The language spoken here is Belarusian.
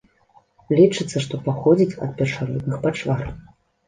Лічыцца, што паходзіць ад першародных пачвар.